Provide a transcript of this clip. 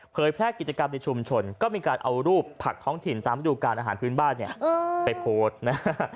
แพร่กิจกรรมในชุมชนก็มีการเอารูปผักท้องถิ่นตามฤดูการอาหารพื้นบ้านเนี่ยไปโพสต์นะฮะ